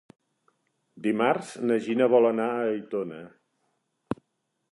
Dimarts na Gina vol anar a Aitona.